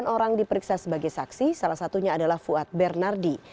sembilan orang diperiksa sebagai saksi salah satunya adalah fuad bernardi